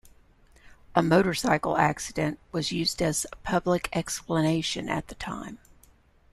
A "motorcycle accident" was used as a public explanation at the time.